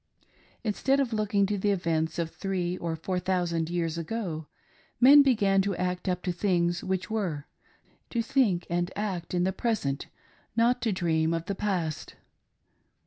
Instead of look ing to the events of three or four thousand years ago, men began to act up to things which were — to think and act in the present, not to dream of the past.